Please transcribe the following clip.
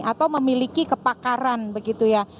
atau memiliki kepakaran begitu ya